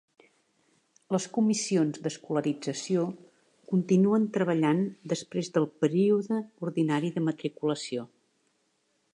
Les comissions d'escolarització continuen treballant després del període ordinari de matriculació.